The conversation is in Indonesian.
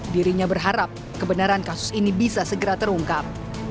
dirinya berharap kebenaran kasus ini bisa segera terungkap